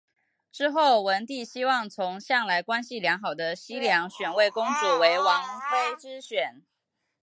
之后文帝希望从向来关系良好的西梁选位公主为晋王之妃。